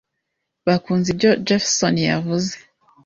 Bakunze ibyo Jefferson yavuze.